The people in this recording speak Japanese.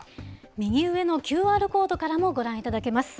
右上のＱＲコードからもご覧いただけます。